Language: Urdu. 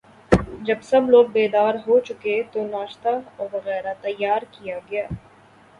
جب سب لوگ بیدار ہو چکے تو ناشتہ وغیرہ تیار کیا گیا